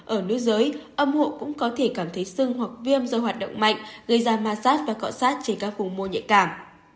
ở nước giới âm hộ cũng có thể cảm thấy sưng hoặc viêm do hoạt động mạnh gây ra massad và cọ sát trên các vùng mô nhạy cảm